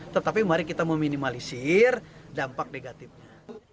tetapi mari kita meminimalisir dampak negatifnya